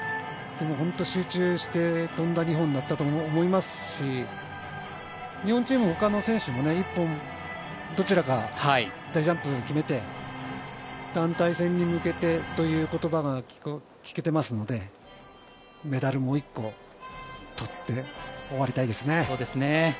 本当に集中して飛んだ２本だったと思いますし日本チームも他の選手も１本どちらか大ジャンプを決めて団体戦に向けてという言葉が聞けていますのでメダル、もう１個取って終わりたいですね。